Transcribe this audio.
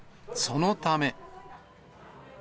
そのため。